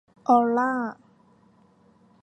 ออลล่า